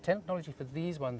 teknologi untuk ini